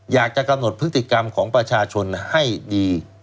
อยากจะกำหนดพฤติกรรมของประชาชนให้ดี